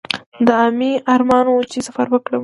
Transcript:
دا مې ارمان و چې سفر وکړم.